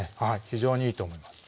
非常にいいと思います